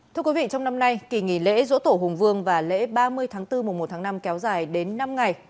trong năm nay kỳ nghỉ lễ dỗ tổ hùng vương và lễ ba mươi tháng bốn một tháng năm kéo dài đến năm ngày